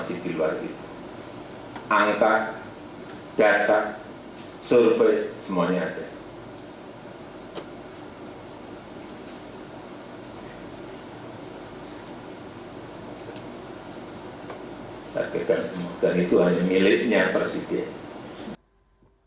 tapi kan semuanya itu hanya miliknya presiden